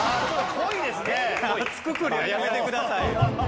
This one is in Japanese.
くくりはやめてくださいよ。